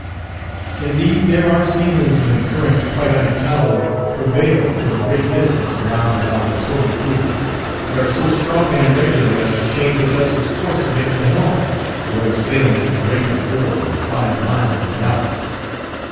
Indeed, there are seasons when currents quite unaccountable prevail for a great distance round about the total group, and are so strong and irregular as to change a vessel's course against the helm, though sailing at the rate of four or five miles the hour.